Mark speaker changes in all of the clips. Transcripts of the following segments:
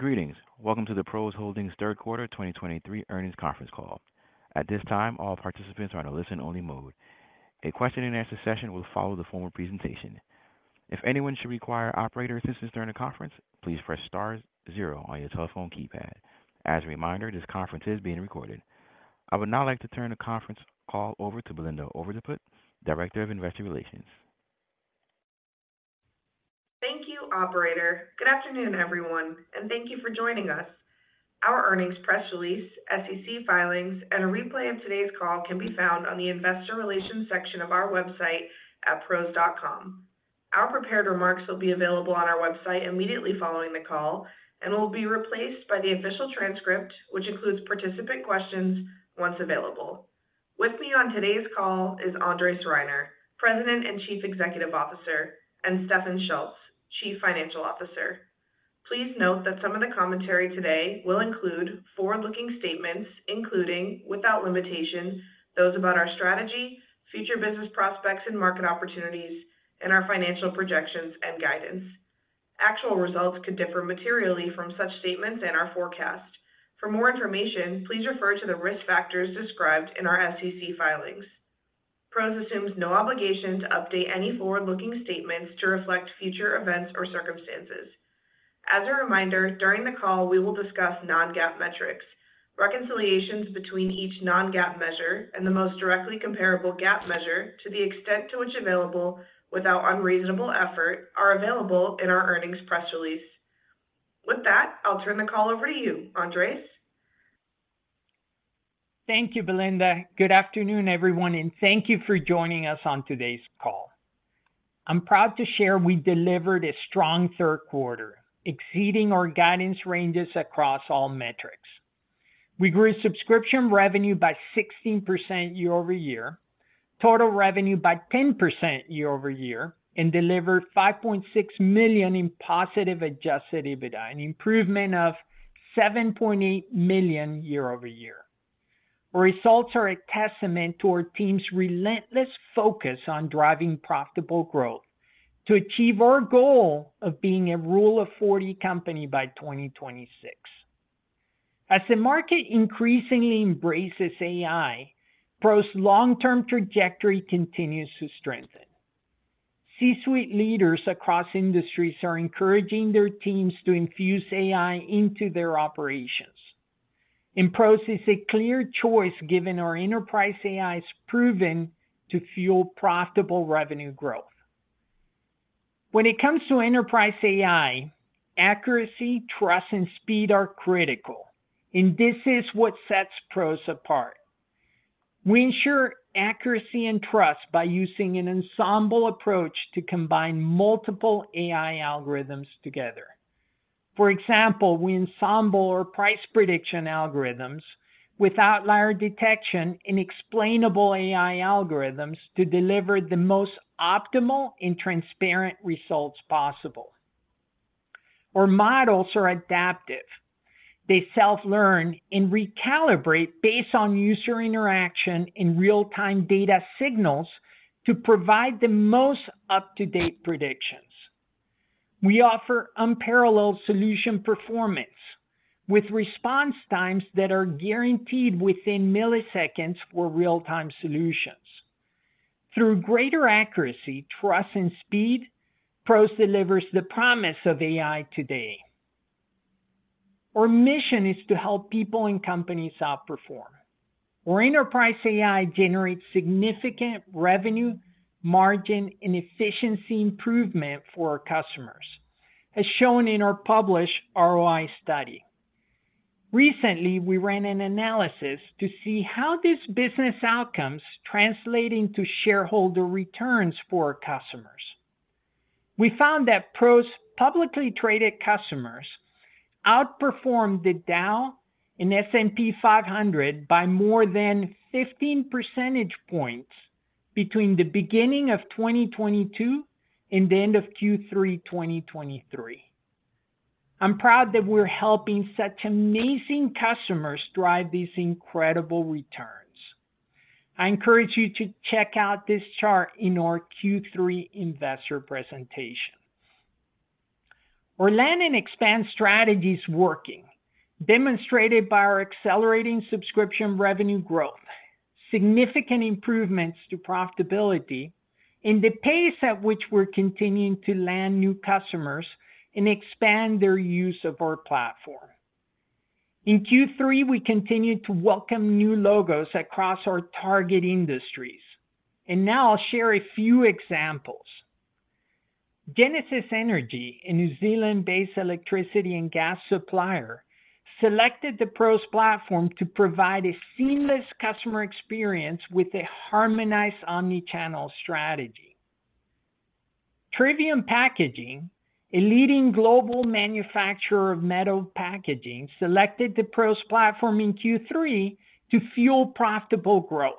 Speaker 1: Greetings. Welcome to the PROS Holdings Q3 2023 earnings conference call. At this time, all participants are in a listen-only mode. A question-and-answer session will follow the formal presentation. If anyone should require operator assistance during the conference, please press star zero on your telephone keypad. As a reminder, this conference is being recorded. I would now like to turn the conference call over to Belinda Overdeput, Director of Investor Relations.
Speaker 2: Thank you, operator. Good afternoon, everyone, and thank you for joining us. Our earnings press release, SEC filings, and a replay of today's call can be found on the Investor Relations section of our website at pros.com. Our prepared remarks will be available on our website immediately following the call and will be replaced by the official transcript, which includes participant questions, once available. With me on today's call is Andres Reiner, President and Chief Executive Officer, and Stéfan Schulz, Chief Financial Officer. Please note that some of the commentary today will include forward-looking statements, including, without limitation, those about our strategy, future business prospects and market opportunities, and our financial projections and guidance. Actual results could differ materially from such statements and our forecast. For more information, please refer to the risk factors described in our SEC filings. PROS assumes no obligation to update any forward-looking statements to reflect future events or circumstances. As a reminder, during the call, we will discuss non-GAAP metrics. Reconciliations between each non-GAAP measure and the most directly comparable GAAP measure, to the extent to which available without unreasonable effort, are available in our earnings press release. With that, I'll turn the call over to you, Andres.
Speaker 3: Thank you, Belinda. Good afternoon, everyone, and thank you for joining us on today's call. I'm proud to share we delivered a strong Q3, exceeding our guidance ranges across all metrics. We grew subscription revenue by 16% year over year, total revenue by 10% year over year, and delivered $5.6 million in positive adjusted EBITDA, an improvement of $7.8 million year over year. Our results are a testament to our team's relentless focus on driving profitable growth to achieve our goal of being a Rule of 40 company by 2026. As the market increasingly embraces AI, PROS' long-term trajectory continues to strengthen. C-suite leaders across industries are encouraging their teams to infuse AI into their operations, and PROS is a clear choice, given our enterprise AI is proven to fuel profitable revenue growth. When it comes to enterprise AI, accuracy, trust, and speed are critical, and this is what sets PROS apart. We ensure accuracy and trust by using an ensemble approach to combine multiple AI algorithms together. For example, we ensemble our price prediction algorithms with outlier detection and explainable AI algorithms to deliver the most optimal and transparent results possible. Our models are adaptive. They self-learn and recalibrate based on user interaction and real-time data signals to provide the most up-to-date predictions. We offer unparalleled solution performance, with response times that are guaranteed within milliseconds for real-time solutions. Through greater accuracy, trust, and speed, PROS delivers the promise of AI today. Our mission is to help people and companies outperform. Our enterprise AI generates significant revenue, margin, and efficiency improvement for our customers, as shown in our published ROI study. Recently, we ran an analysis to see how these business outcomes translating to shareholder returns for our customers. We found that PROS' publicly traded customers outperformed the Dow and S&P 500 by more than 15 percentage points between the beginning of 2022 and the end of Q3 2023. I'm proud that we're helping such amazing customers drive these incredible returns. I encourage you to check out this chart in our Q3 investor presentation. Our land and expand strategy is working, demonstrated by our accelerating subscription revenue growth, significant improvements to profitability, and the pace at which we're continuing to land new customers and expand their use of our platform. In Q3, we continued to welcome new logos across our target industries, and now I'll share a few examples. Genesis Energy, a New Zealand-based electricity and gas supplier, selected the PROS platform to provide a seamless customer experience with a harmonized omnichannel strategy. Trivium Packaging, a leading global manufacturer of metal packaging, selected the PROS platform in Q3 to fuel profitable growth.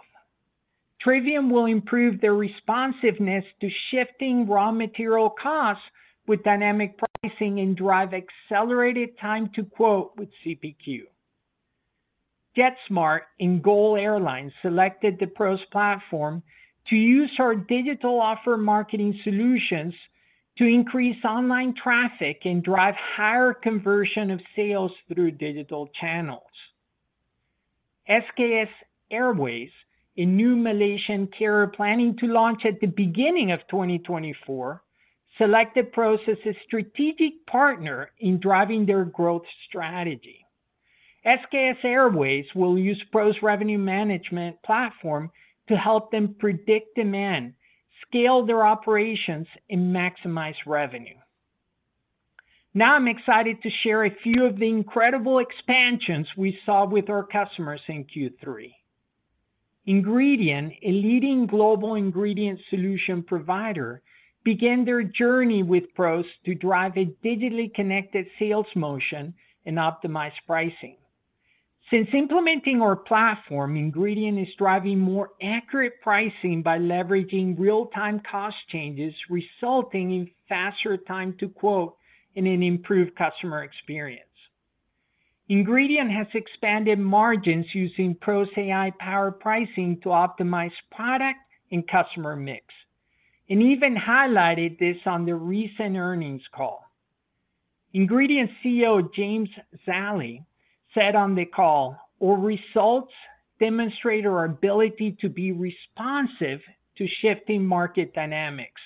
Speaker 3: Trivium will improve their responsiveness to shifting raw material costs with dynamic pricing and drive accelerated time to quote with CPQ. JetSMART and GOL Airlines selected the PROS platform to use our Digital Offer Marketing solutions to increase online traffic and drive higher conversion of sales through digital channels. SKS Airways, a new Malaysian carrier planning to launch at the beginning of 2024, selected PROS as a strategic partner in driving their growth strategy. SKS Airways will use PROS revenue management platform to help them predict demand, scale their operations, and maximize revenue. Now, I'm excited to share a few of the incredible expansions we saw with our customers in Q3. Ingredion, a leading global ingredient solution provider, began their journey with PROS to drive a digitally connected sales motion and optimize pricing. Since implementing our platform, Ingredion is driving more accurate pricing by leveraging real-time cost changes, resulting in faster time to quote and an improved customer experience. Ingredion has expanded margins using PROS AI-powered pricing to optimize product and customer mix, and even highlighted this on their recent earnings call. Ingredion CEO, James Zallie, said on the call, "Our results demonstrate our ability to be responsive to shifting market dynamics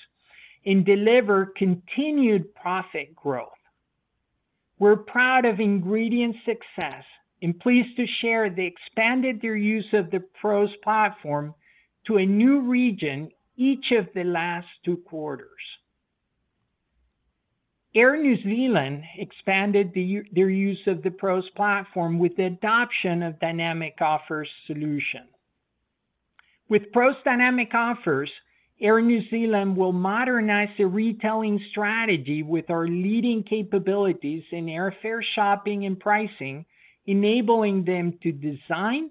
Speaker 3: and deliver continued profit growth." We're proud of Ingredion's success and pleased to share they expanded their use of the PROS platform to a new region each of the last two quarters. Air New Zealand expanded their use of the PROS platform with the adoption of Dynamic Offers solution. With PROS Dynamic Offers, Air New Zealand will modernize their retailing strategy with our leading capabilities in airfare shopping and pricing, enabling them to design,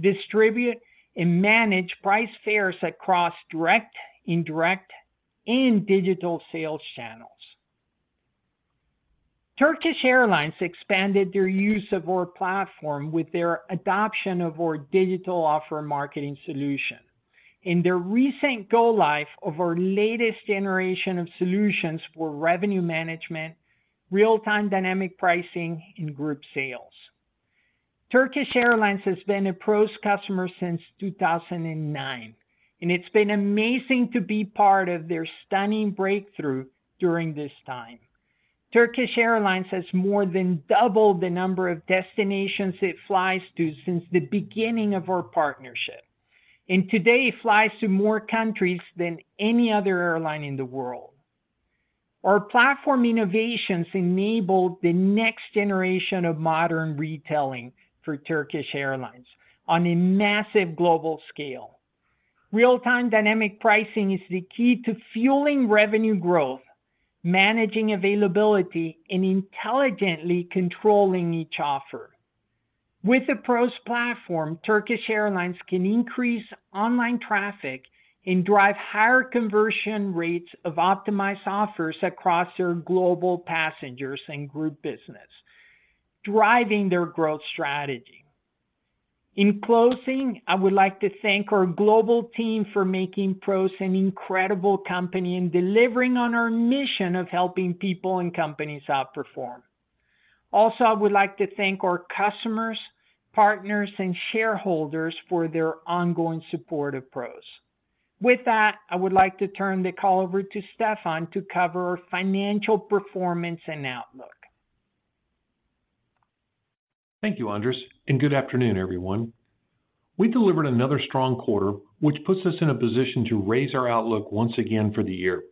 Speaker 3: distribute, and manage price fares across direct, indirect, and digital sales channels. Turkish Airlines expanded their use of our platform with their adoption of our Digital Offer Marketing solution in their recent go-live of our latest generation of solutions for revenue management, real-time dynamic pricing, and group sales. Turkish Airlines has been a PROS customer since 2009, and it's been amazing to be part of their stunning breakthrough during this time. Turkish Airlines has more than doubled the number of destinations it flies to since the beginning of our partnership, and today flies to more countries than any other airline in the world. Our platform innovations enabled the next generation of modern retailing for Turkish Airlines on a massive global scale. Real-time dynamic pricing is the key to fueling revenue growth, managing availability, and intelligently controlling each offer. With the PROS platform, Turkish Airlines can increase online traffic and drive higher conversion rates of optimized offers across their global passengers and group business, driving their growth strategy. In closing, I would like to thank our global team for making PROS an incredible company and delivering on our mission of helping people and companies outperform. Also, I would like to thank our customers, partners, and shareholders for their ongoing support of PROS. With that, I would like to turn the call over to Stéfan to cover our financial performance and outlook.
Speaker 4: Thank you, Andres, and good afternoon, everyone. We delivered another strong quarter, which puts us in a position to raise our outlook once again for the year.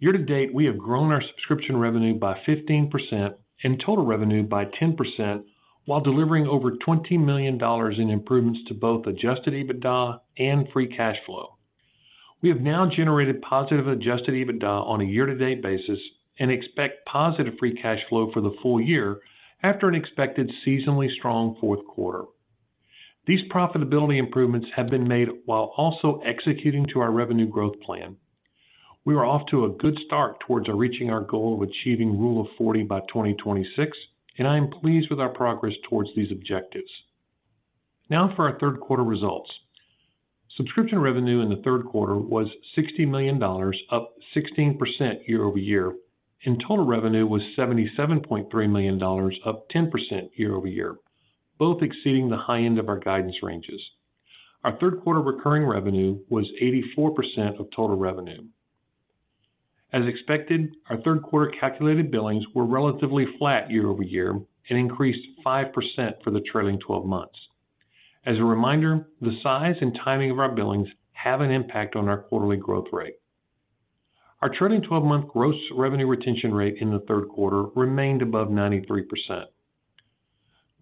Speaker 4: Year to date, we have grown our subscription revenue by 15% and total revenue by 10%, while delivering over $20 million in improvements to both adjusted EBITDA and free cash flow. We have now generated positive adjusted EBITDA on a year-to-date basis and expect positive free cash flow for the full year after an expected seasonally strong Q4. These profitability improvements have been made while also executing to our revenue growth plan. We are off to a good start towards reaching our goal of achieving Rule of 40 by 2026, and I am pleased with our progress towards these objectives. Now for our Q3 results. Subscription revenue in the Q3 was $60 million, up 16% year over year, and total revenue was $77.3 million, up 10% year over year, both exceeding the high end of our guidance ranges. Our Q3 recurring revenue was 84% of total revenue. As expected, our Q3 calculated billings were relatively flat year over year and increased 5% for the trailing 12 months. As a reminder, the size and timing of our billings have an impact on our quarterly growth rate. Our trailing twelve-month gross revenue retention rate in the Q3 remained above 93%.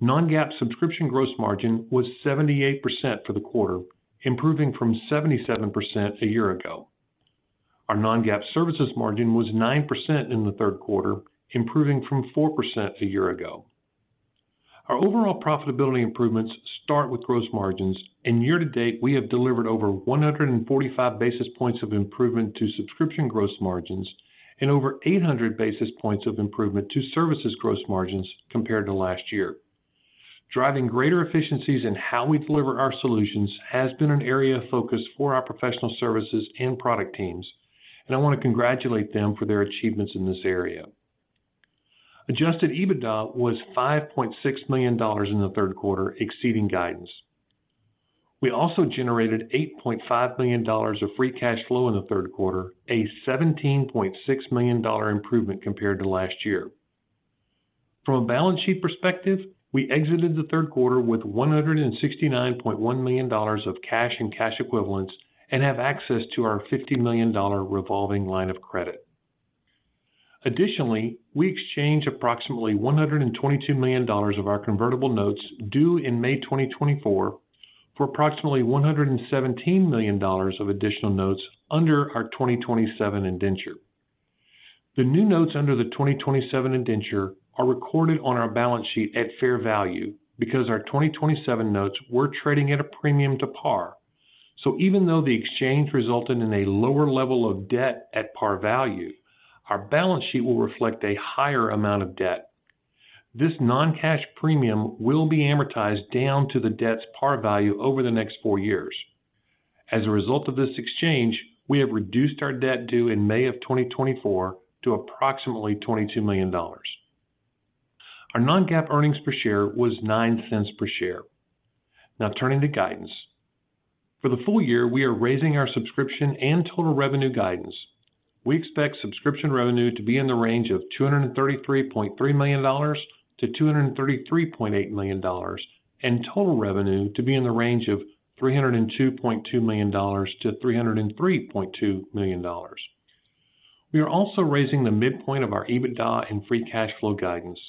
Speaker 4: Non-GAAP subscription gross margin was 78% for the quarter, improving from 77% a year ago. Our non-GAAP services margin was 9% in the Q3, improving from 4% a year ago. Our overall profitability improvements start with gross margins, and year to date, we have delivered over 145 basis points of improvement to subscription gross margins and over 800 basis points of improvement to services gross margins compared to last year. Driving greater efficiencies in how we deliver our solutions has been an area of focus for our professional services and product teams, and I wanna congratulate them for their achievements in this area. Adjusted EBITDA was $5.6 million in the Q3, exceeding guidance. We also generated $8.5 million of free cash flow in the Q3, a $17.6 million improvement compared to last year. From a balance sheet perspective, we exited the Q3 with $169.1 million of cash and cash equivalents, and have access to our $50 million revolving line of credit. Additionally, we exchanged approximately $122 million of our convertible notes due in May 2024, for approximately $117 million of additional notes under our 2027 indenture. The new notes under the 2027 indenture are recorded on our balance sheet at fair value because our 2027 notes were trading at a premium to par. So even though the exchange resulted in a lower level of debt at par value, our balance sheet will reflect a higher amount of debt. This non-cash premium will be amortized down to the debt's par value over the next four years. As a result of this exchange, we have reduced our debt due in May of 2024 to approximately $22 million. Our non-GAAP earnings per share was $0.09 per share. Now turning to guidance. For the full year, we are raising our subscription and total revenue guidance. We expect subscription revenue to be in the range of $233.3 to 233.8 million, and total revenue to be in the range of $302.2 to 303.2 million. We are also raising the midpoint of our EBITDA and free cash flow guidance.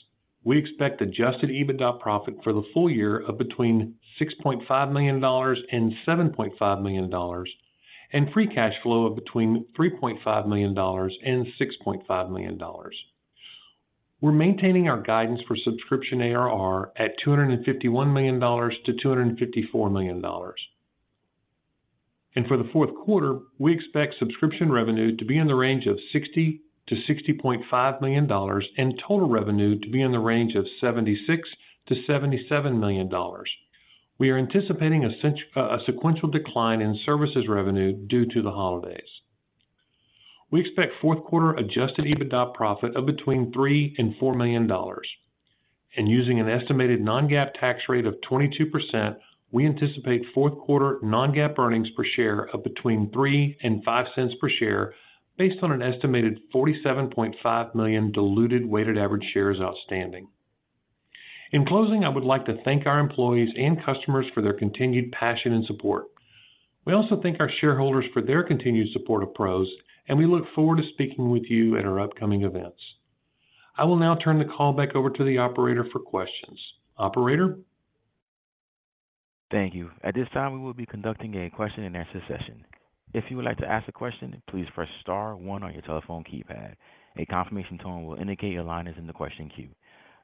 Speaker 4: We expect Adjusted EBITDA profit for the full year of between $6.5 million and $7.5 million, and free cash flow of between $3.5 million and $6.5 million. We're maintaining our guidance for subscription ARR at $251 to 254 million. And for the Q4, we expect subscription revenue to be in the range of $60 to 60.5 million, and total revenue to be in the range of $76 to 77 million. We are anticipating a sequential decline in services revenue due to the holidays. We expect Q4 adjusted EBITDA profit of between $3 to 4 million, and using an estimated non-GAAP tax rate of 22%, we anticipate Q4 non-GAAP earnings per share of between $0.03 and $0.05 per share, based on an estimated 47.5 million diluted weighted average shares outstanding. In closing, I would like to thank our employees and customers for their continued passion and support. We also thank our shareholders for their continued support of PROS, and we look forward to speaking with you at our upcoming events. I will now turn the call back over to the operator for questions. Operator?
Speaker 1: Thank you. At this time, we will be conducting a question and answer session. If you would like to ask a question, please press star one on your telephone keypad. A confirmation tone will indicate your line is in the question queue.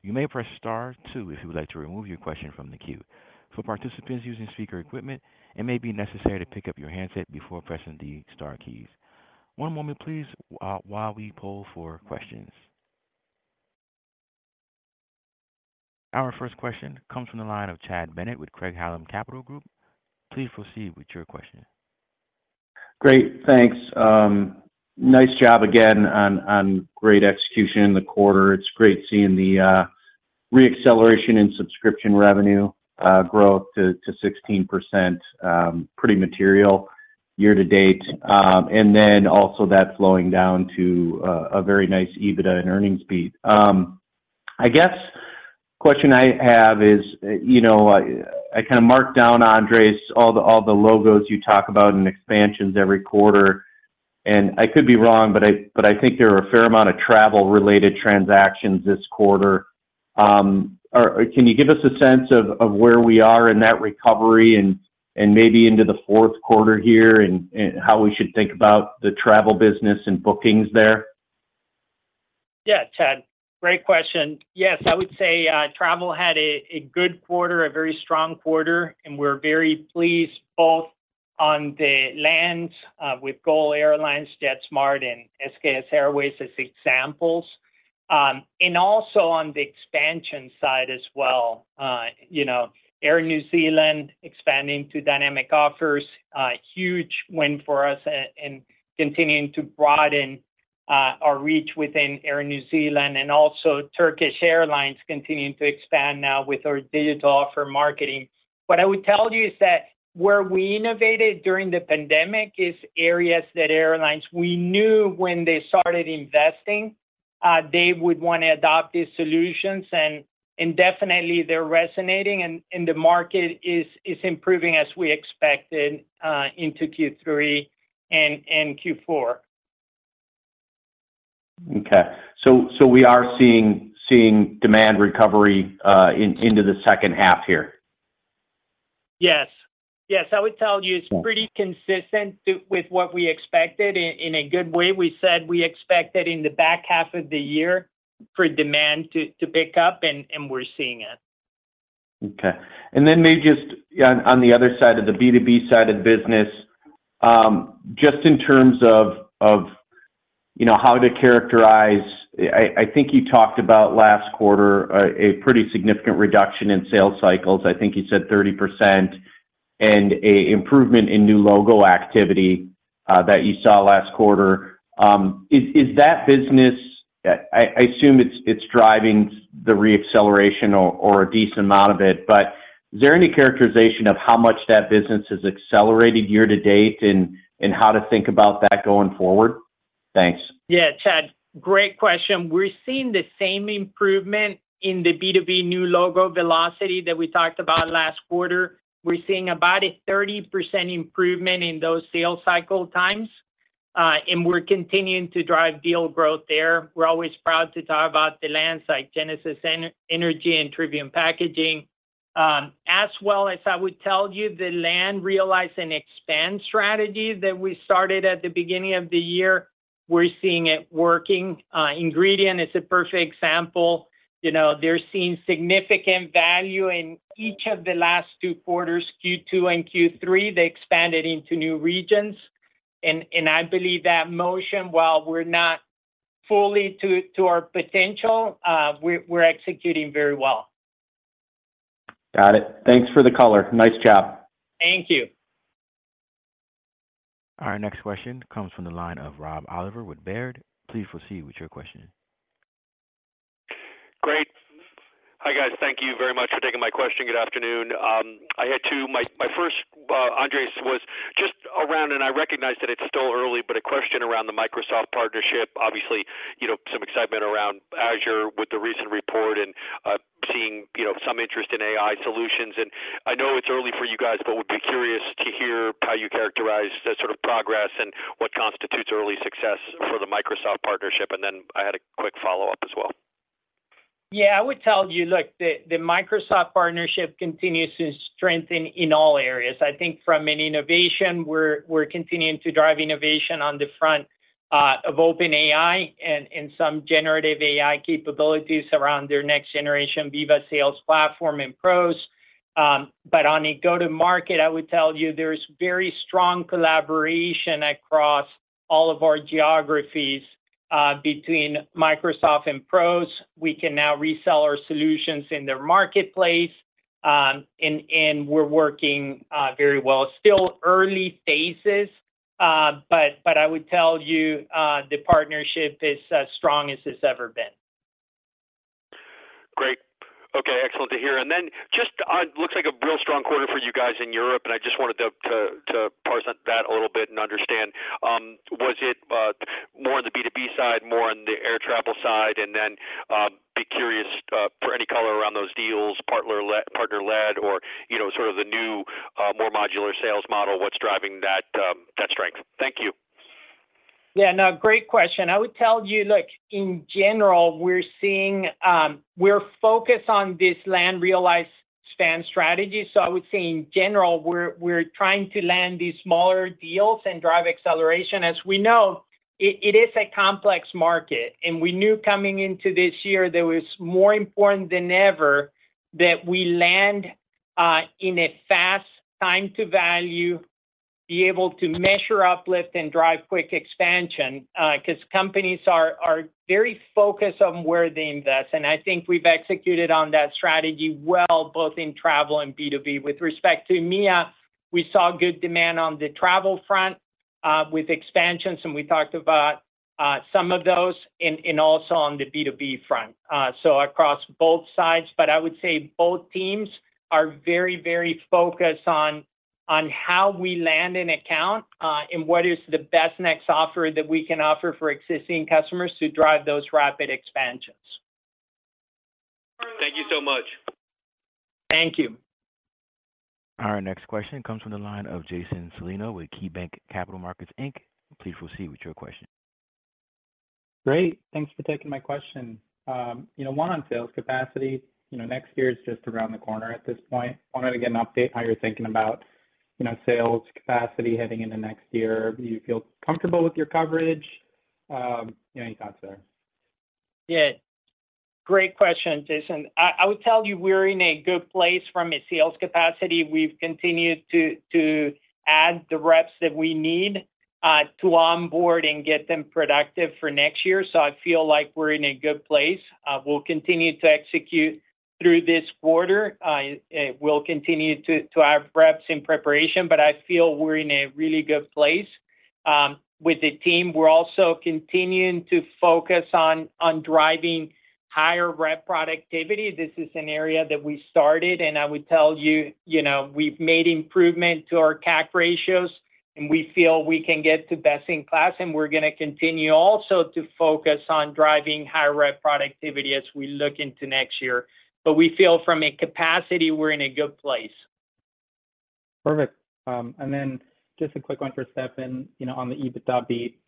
Speaker 1: You may press star two if you would like to remove your question from the queue. For participants using speaker equipment, it may be necessary to pick up your handset before pressing the star keys. One moment please, while we poll for questions. Our first question comes from the line of Chad Bennett with Craig-Hallum Capital Group. Please proceed with your question.
Speaker 5: Great, thanks. Nice job again on great execution in the quarter. It's great seeing the re-acceleration in subscription revenue growth to 16%, pretty material year to date. And then also that flowing down to a very nice EBITDA and earnings beat. I guess, question I have is, you know, I kinda marked down, Andres, all the logos you talk about in expansions every quarter, and I could be wrong, but I think there are a fair amount of travel-related transactions this quarter. Can you give us a sense of where we are in that recovery and maybe into the Q4 here, and how we should think about the travel business and bookings there?
Speaker 3: Yeah, Chad, great question. Yes, I would say, travel had a, a good quarter, a very strong quarter, and we're very pleased both on the lands, with GOL Airlines, JetSMART, and SKS Airways, as examples. And also on the expansion side as well, you know, Air New Zealand expanding to Dynamic Offers, a huge win for us and, and continuing to broaden, our reach within Air New Zealand, and also Turkish Airlines continuing to expand now with our Digital Offer Marketing. What I would tell you is that where we innovated during the pandemic is areas that airlines, we knew when they started investing, they would wanna adopt these solutions, and, and definitely they're resonating, and, and the market is, is improving as we expected, into Q3 and, and Q4.
Speaker 5: Okay. We are seeing demand recovery into the second half here?
Speaker 3: Yes. Yes, I would tell you it's pretty consistent with what we expected in a good way. We said we expected in the back half of the year for demand to pick up, and we're seeing it....
Speaker 5: Okay, and then maybe just yeah, on the other side of the B2B side of the business, just in terms of, you know, how to characterize, I think you talked about last quarter, a pretty significant reduction in sales cycles i think you said 30% and a improvement in new logo activity that you saw last quarter. Is that business, I assume it's driving the re-acceleration or a decent amount of it, but is there any characterization of how much that business has accelerated year to date and how to think about that going forward? Thanks.
Speaker 3: Yeah, Chad, great question. We're seeing the same improvement in the B2B new logo velocity that we talked about last quarter. We're seeing about a 30% improvement in those sales cycle times, and we're continuing to drive deal growth there. We're always proud to talk about the wins like Genesis Energy and Trivium Packaging. As well as I would tell you, the land-and-expand strategy that we started at the beginning of the year, we're seeing it working. Ingredion is a perfect example. You know, they're seeing significant value in each of the last two quarters, Q2 and Q3 they expanded into new regions, and I believe that motion, while we're not fully to our potential, we're executing very well.
Speaker 5: Got it. Thanks for the color. Nice job.
Speaker 3: Thank you.
Speaker 1: Our next question comes from the line of Rob Oliver with Baird. Please proceed with your question.
Speaker 6: Great. Hi, guys. Thank you very much for taking my question. Good afternoon. I had two—my first, Andres, was just around, and I recognize that it's still early, but a question around the Microsoft partnership obviously, you know, some excitement around Azure with the recent report and, seeing, you know, some interest in AI solutions. And I know it's early for you guys, but would be curious to hear how you characterize the sort of progress and what constitutes early success for the Microsoft partnership and then I had a quick follow-up as well.
Speaker 3: Yeah, I would tell you, look, the Microsoft partnership continues to strengthen in all areas. I think from an innovation, we're continuing to drive innovation on the front of OpenAI and some generative AI capabilities around their next generation Viva Sales platform and PROS. But on a go-to-market, I would tell you there's very strong collaboration across all of our geographies between Microsoft and PROS. We can now resell our solutions in their marketplace, and we're working very well still early phases, but I would tell you the partnership is as strong as it's ever been.
Speaker 6: Great. Okay, excellent to hear. And then just, looks like a real strong quarter for you guys in Europe, and I just wanted to parse out that a little bit and understand, was it more on the B2B side, more on the air travel side? And then, be curious for any color around those deals, partner-led, or, you know, sort of the new, more modular sales model, what's driving that strength? Thank you.
Speaker 3: Yeah, no, great question. I would tell you, look, in general, we're seeing. We're focused on this land-and-expand strategy so I would say in general, we're trying to land these smaller deals and drive acceleration. As we know, it is a complex market, and we knew coming into this year that it was more important than ever that we land in a fast time to value, be able to measure uplift and drive quick expansion, 'cause companies are very focused on where they invest, and I think we've executed on that strategy well, both in travel and B2B with respect to EMEA. We saw good demand on the travel front with expansions, and we talked about some of those, also on the B2B front, so across both sides i would say both teams are very, very focused on how we land an account, and what is the best next offer that we can offer for existing customers to drive those rapid expansions.
Speaker 6: Thank you so much.
Speaker 3: Thank you.
Speaker 1: Our next question comes from the line of Jason Celino with KeyBanc Capital Markets, Inc. Please proceed with your question.
Speaker 7: Great, thanks for taking my question. You know, one on sales capacity. You know, next year is just around the corner at this point wanted to get an update how you're thinking about, you know, sales capacity heading into next year. Do you feel comfortable with your coverage? Any thoughts there?
Speaker 3: Yeah, great question, Jason. I would tell you, we're in a good place from a sales capacity we've continued to add the reps that we need to onboard and get them productive for next year so I feel like we're in a good place. We'll continue to execute through this quarter. We'll continue to our reps in preparation, but I feel we're in a really good place. With the team, we're also continuing to focus on driving higher rep productivity this is an area that we started, and I would tell you, you know, we've made improvement to our CAC ratios, and we feel we can get to best in class, and we're going to continue also to focus on driving higher rep productivity as we look into next year. But we feel from a capacity, we're in a good place.
Speaker 7: Perfect. And then just a quick one for Stéfan. You know, on the EBITDA beat,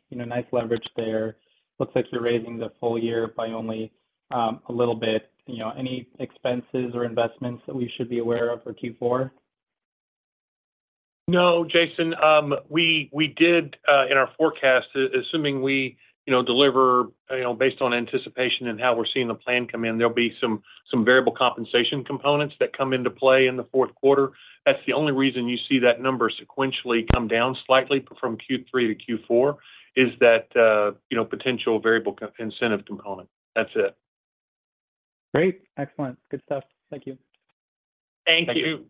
Speaker 7: you know, nice leverage there. Looks like you're raising the full year by only a little bit. You know, any expenses or investments that we should be aware of for Q4?...
Speaker 4: No, Jason. We did in our forecast, assuming we, you know, deliver, you know, based on anticipation and how we're seeing the plan come in, there'll be some variable compensation components that come into play in the Q4. That's the only reason you see that number sequentially come down slightly from Q3 to Q4, is that, you know, potential variable co-incentive component. That's it.
Speaker 7: Great. Excellent. Good stuff. Thank you.
Speaker 3: Thank you.
Speaker 7: Thank you.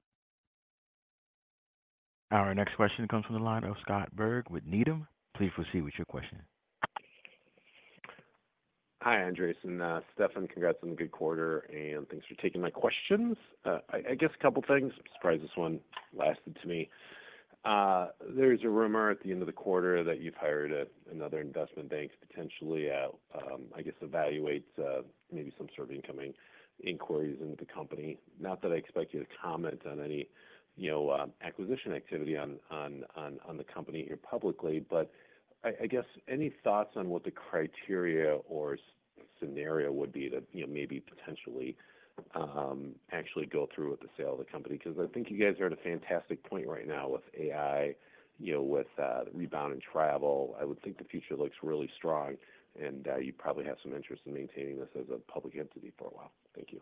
Speaker 1: Our next question comes from the line of Scott Berg with Needham. Please proceed with your question.
Speaker 8: Hi, Andres and Stéfan. Congrats on the good quarter, and thanks for taking my questions. I guess a couple things. Surprised this one lasted to me. There's a rumor at the end of the quarter that you've hired another investment bank to potentially, I guess, evaluate maybe some sort of incoming inquiries into the company. Not that I expect you to comment on any, you know, acquisition activity on the company here publicly, but I guess any thoughts on what the criteria or scenario would be to, you know, maybe potentially actually go through with the sale of the company? 'Cause I think you guys are at a fantastic point right now with AI, you know, with the rebound in travel. I would think the future looks really strong, and you probably have some interest in maintaining this as a public entity for a while. Thank you.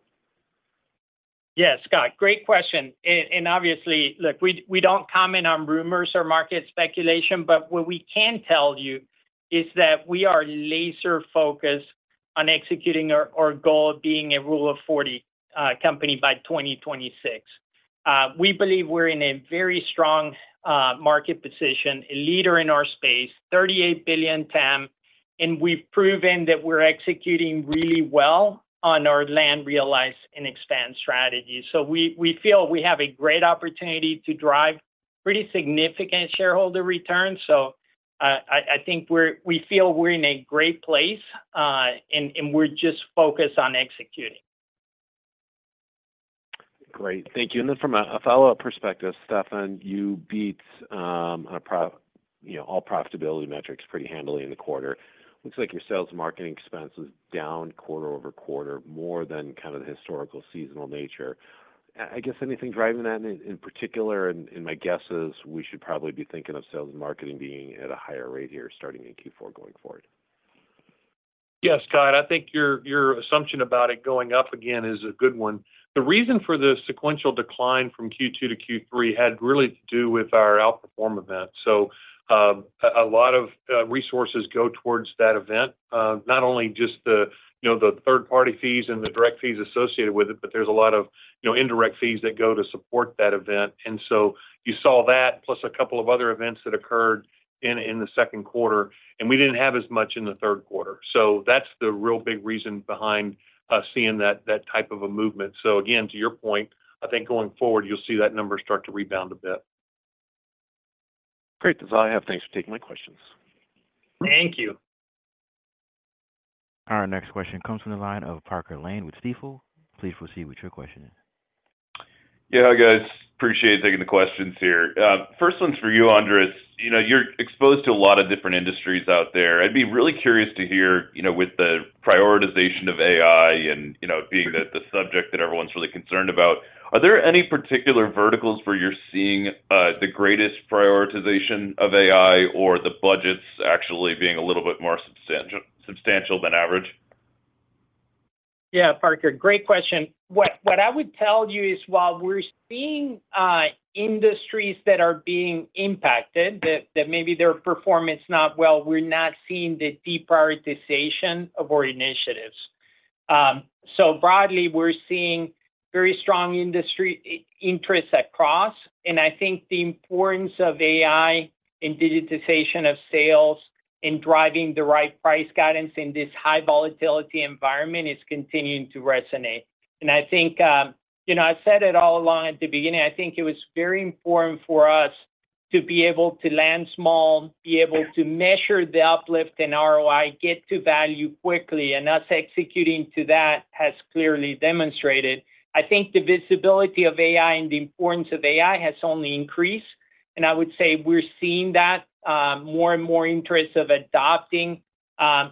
Speaker 3: Yeah, Scott, great question. And obviously, look, we don't comment on rumors or market speculation, but what we can tell you is that we are laser focused on executing our goal of being a Rule of 40 company by 2026. We believe we're in a very strong market position, a leader in our space, $38 billion TAM, and we've proven that we're executing really well on our land, realize, and expand strategy. So we feel we have a great opportunity to drive pretty significant shareholder returns. We feel we're in a great place, and we're just focused on executing.
Speaker 8: Great. Thank you. And then from a follow-up perspective, Stéfan, you beat a pro-- you know, all profitability metrics pretty handily in the quarter. Looks like your sales marketing expense was down quarter over quarter, more than kind of the historical seasonal nature. I guess anything driving that in particular? And my guess is we should probably be thinking of sales and marketing being at a higher rate here, starting in Q4 going forward.
Speaker 4: Yes, Scott, I think your assumption about it going up again is a good one. The reason for the sequential decline from Q2 to Q3 had really to do with our Outperform event. A lot of resources go towards that event. Not only just the, you know, the third-party fees and the direct fees associated with it, but there's a lot of, you know, indirect fees that go to support that event. You saw that, plus a couple of other events that occurred in the Q2, and we didn't have as much in the Q3. So that's the real big reason behind us seeing that type of a movement. Again, to your point, I think going forward, you'll see that number start to rebound a bit.
Speaker 8: Great. That's all I have. Thanks for taking my questions.
Speaker 3: Thank you.
Speaker 1: Our next question comes from the line of Parker Lane with Stifel. Please proceed with your question.
Speaker 9: Yeah, hi, guys. Appreciate taking the questions here. First one's for you, Andres. You know, you're exposed to a lot of different industries out there i'd be really curious to hear, you know, with the prioritization of AI and, you know, being that the subject that everyone's really concerned about, are there any particular verticals where you're seeing the greatest prioritization of AI or the budgets actually being a little bit more substantial than average?
Speaker 3: Yeah, Parker, great question. What, what I would tell you is, while we're seeing industries that are being impacted, that, that maybe their performance not well, we're not seeing the deprioritization of our initiatives. Broadly, we're seeing very strong industry interests across, and I think the importance of AI and digitization of sales in driving the right price guidance in this high volatility environment is continuing to resonate. I think, you know, I've said it all along at the beginning, I think it was very important for us to be able to land small, be able to measure the uplift in ROI, get to value quickly, and us executing to that has clearly demonstrated. I think the visibility of AI and the importance of AI has only increased, and I would say we're seeing that more and more interest of adopting,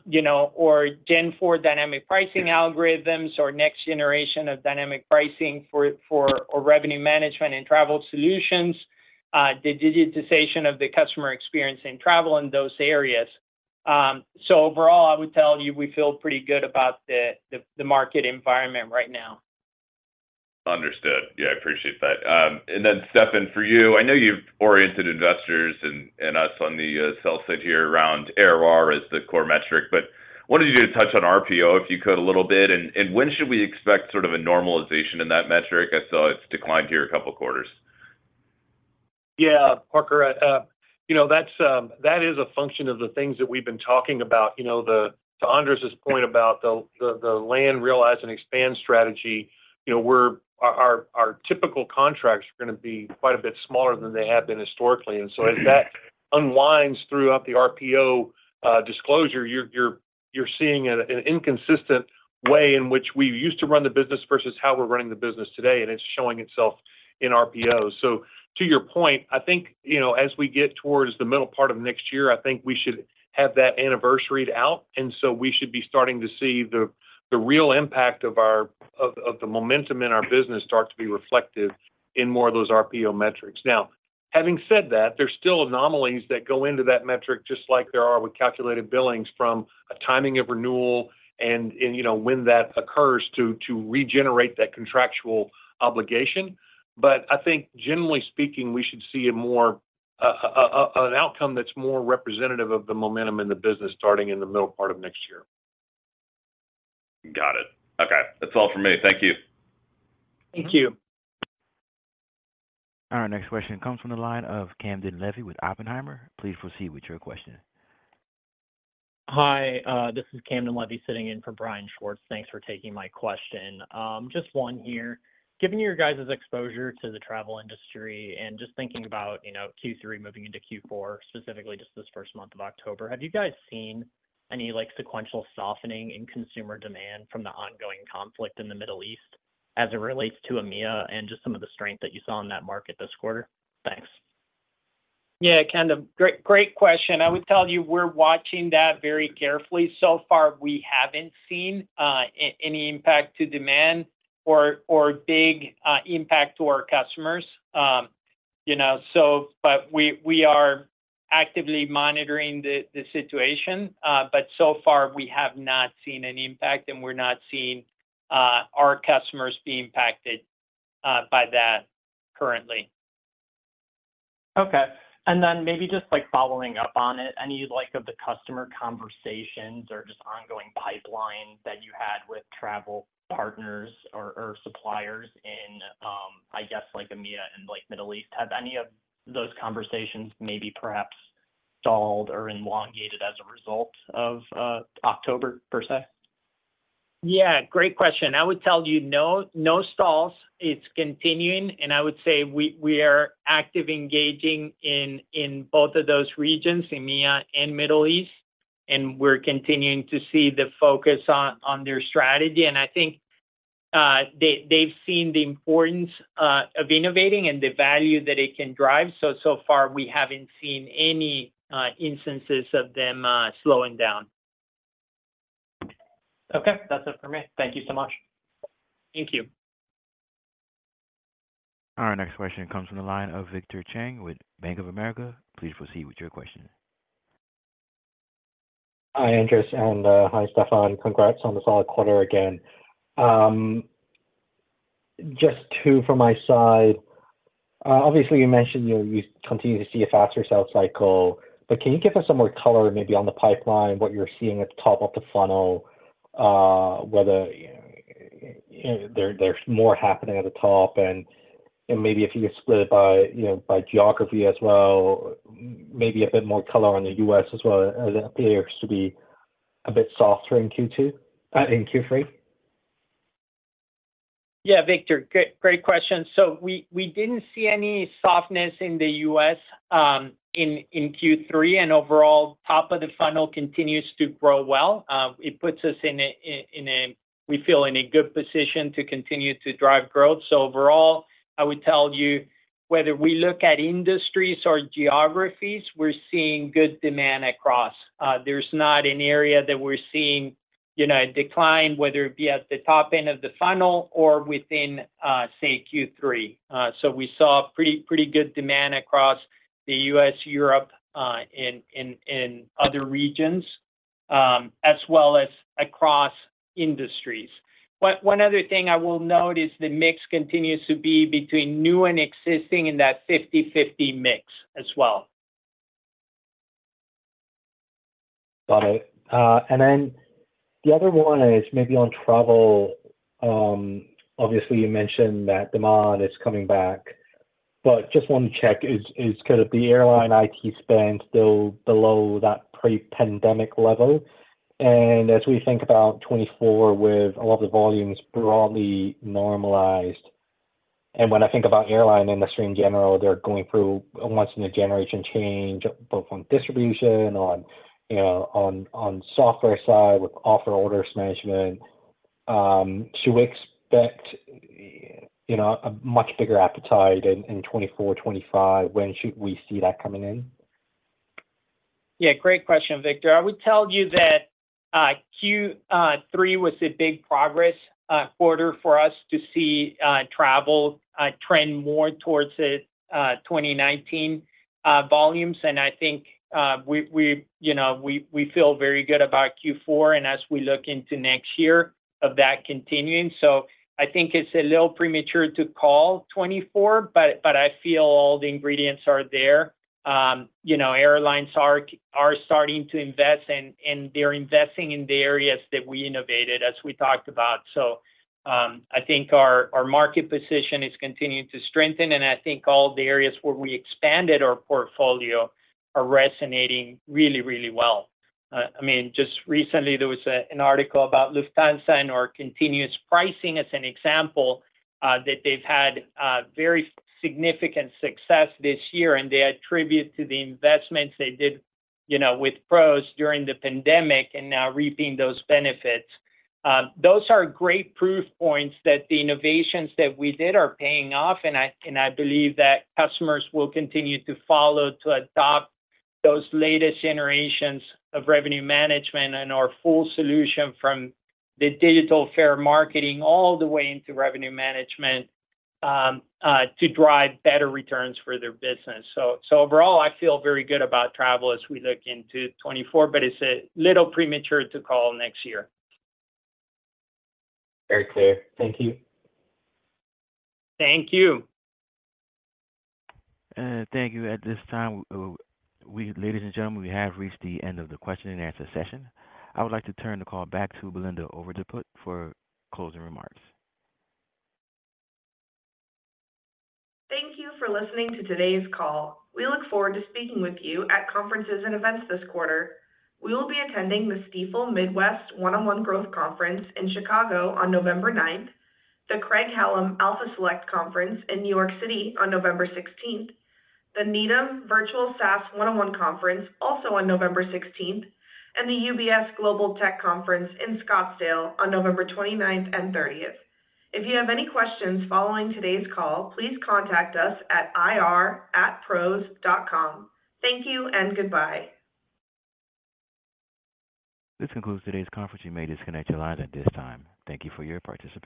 Speaker 3: you know, or Gen 4 dynamic pricing algorithms or next generation of dynamic pricing for a revenue management and travel solutions, the digitization of the customer experience in travel in those areas. Overall, I would tell you, we feel pretty good about the market environment right now.
Speaker 10: Understood. Yeah, I appreciate that. And then, Stéfan, for you, I know you've oriented investors and, and us on the sell side here around ARR as the core metric, but wanted you to touch on RPO, if you could, a little bit, and, and when should we expect sort of a normalization in that metric? I saw it's declined here a couple of quarters.
Speaker 4: Yeah, Parker, you know, that's... That is a function of the things that we've been talking about. You know, to Andres's point about the land realize and expand strategy, you know, we're, our typical contracts are gonna be quite a bit smaller than they have been historically and so as that unwinds throughout the RPO disclosure, you're seeing an inconsistent way in which we used to run the business versus how we're running the business today, and it's showing itself in RPO. To your point, I think, you know, as we get towards the middle part of next year, I think we should have that anniversaried out, and so we should be starting to see the real impact of the momentum in our business start to be reflective in more of those RPO metrics. Having said that, there's still anomalies that go into that metric, just like there are with Calculated Billings from a timing of renewal and, you know, when that occurs to regenerate that contractual obligation. But I think generally speaking, we should see a more an outcome that's more representative of the momentum in the business starting in the middle part of next year.
Speaker 10: Got it. Okay, that's all from me. Thank you.
Speaker 3: Thank you.
Speaker 1: Our next question comes from the line of Camden Levy with Oppenheimer. Please proceed with your question.
Speaker 11: Hi, this is Camden Levy sitting in for Brian Schwartz. Thanks for taking my question. Just one here. Given your guys' exposure to the travel industry and just thinking about, you know, Q3 moving into Q4, specifically just this first month of October, have you guys seen any, like, sequential softening in consumer demand from the ongoing conflict in the Middle East as it relates to EMEA and just some of the strength that you saw in that market this quarter? Thanks.
Speaker 3: Yeah, Camden, great, great question. I would tell you we're watching that very carefully so far, we haven't seen any impact to demand or big impact to our customers. You know, but we are actively monitoring the situation, but so far we have not seen an impact, and we're not seeing our customers be impacted by that currently.
Speaker 11: Okay. And then maybe just, like, following up on it, any, like, of the customer conversations or just ongoing pipeline that you had with travel partners or suppliers in, I guess like EMEA and, like, Middle East, have any of those conversations maybe perhaps stalled or elongated as a result of October per se?
Speaker 3: Yeah, great question. I would tell you, no, no stalls. It's continuing, and I would say we are actively engaging in both of those regions, EMEA and Middle East, and we're continuing to see the focus on their strategy and I think they’ve seen the importance of innovating and the value that it can drive. So far, we haven't seen any instances of them slowing down.
Speaker 11: Okay. That's it for me. Thank you so much.
Speaker 3: Thank you.
Speaker 1: Our next question comes from the line of Victor Cheng with Bank of America. Please proceed with your question.
Speaker 12: Hi, Andres, and hi, Stéfan. Congrats on the solid quarter again. Just two from my side. Obviously, you mentioned you continue to see a faster sales cycle, but can you give us some more color, maybe on the pipeline, what you're seeing at the top of the funnel, whether you know there's more happening at the top? And maybe if you could split it by you know by geography as well, maybe a bit more color on the U.S. as well it appears to be a bit softer in Q2 in Q3.
Speaker 3: Yeah, Victor, great, great question. We didn't see any softness in the U.S., in Q3, and overall, top of the funnel continues to grow well. It puts us in a good position to continue to drive growth. Overall, I would tell you, whether we look at industries or geographies, we're seeing good demand across. There's not an area that we're seeing, you know, a decline, whether it be at the top end of the funnel or within, say, Q3. We saw pretty, pretty good demand across the U.S., Europe, in other regions, as well as across industries. But one other thing I will note is the mix continues to be between new and existing in that 50/50 mix as well.
Speaker 13: Got it. And then the other one is maybe on travel. Obviously, you mentioned that demand is coming back, but just one check, is kind of the airline IT spend still below that pre-pandemic level? And as we think about 2024, with a lot of the volumes broadly normalized, and when I think about airline industry in general, they're going through a once in a generation change, both on distribution, on, you know, on software side, with offer orders management, to expect, you know, a much bigger appetite in 2024, 2025. When should we see that coming in?
Speaker 3: Yeah, great question, Victor. I would tell you that Q3 was a big progress quarter for us to see travel trend more towards the 2019 volumes and I think we, you know, we feel very good about Q4 and as we look into next year of that continuing. I think it's a little premature to call 2024, but I feel all the ingredients are there. You know, airlines are starting to invest, and they're investing in the areas that we innovated as we talked about. I think our market position is continuing to strengthen, and I think all the areas where we expanded our portfolio are resonating really, really well.I mean, just recently there was an article about Lufthansa and our continuous pricing as an example that they've had very significant success this year, and they attribute to the investments they did, you know, with Pros during the pandemic and now reaping those benefits. Those are great proof points that the innovations that we did are paying off, and I, and I believe that customers will continue to follow to adopt those latest generations of revenue management and our full solution from the digital fare marketing all the way into revenue management to drive better returns for their business. Overall, I feel very good about travel as we look into 2024, but it's a little premature to call next year.
Speaker 13: Very clear. Thank you.
Speaker 3: Thank you.
Speaker 1: Thank you. At this time, ladies and gentlemen, we have reached the end of the question and answer session. I would like to turn the call back to Belinda Overdeput for closing remarks.
Speaker 2: Thank you for listening to today's call. We look forward to speaking with you at conferences and events this quarter. We will be attending the Stifel Midwest One-on-One Growth Conference in Chicago on November 9th, the Craig-Hallum Alpha Select Conference in New York City on November 16th, the Needham Virtual SaaS 101 Conference, also on November 16th, and the UBS Global Tech Conference in Scottsdale on November 29th and 30th. If you have any questions following today's call, please contact us at ir@pros.com. Thank you and goodbye.
Speaker 1: This concludes today's conference. You may disconnect your line at this time. Thank you for your participation.